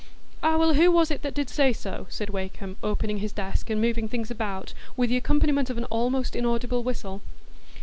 "Ah, well, who was it that did say so?" said Wakem, opening his desk, and moving things about, with the accompaniment of an almost inaudible whistle.